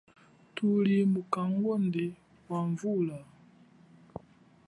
Thuli mukangonde wa vula.